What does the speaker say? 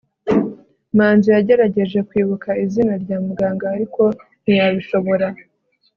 manzi yagerageje kwibuka izina rya muganga, ariko ntiyabishobora